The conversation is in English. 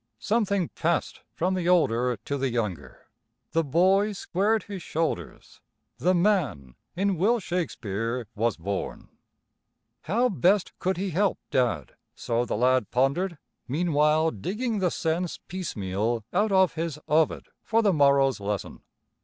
Something passed from the older to the younger. The boy squared his shoulders. The man in Will Shakespeare was born. How best could he help Dad? So the lad pondered, meanwhile digging the sense piecemeal out of his Ovid for the morrow's lesson.